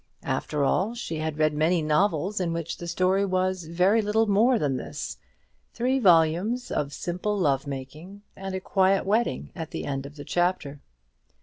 After all, she had read many novels in which the story was very little more than this, three volumes of simple love making, and a quiet wedding at the end of the chapter.